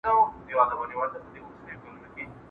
¬ په يوه ځين کي دوه کسه نه ځائېږي.